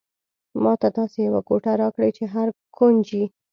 ماته داسې یوه کوټه راکړئ چې هر کونج یې.